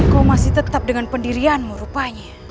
kau masih tetap dengan pendirianmu rupanya